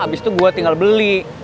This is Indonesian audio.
abis itu gue tinggal beli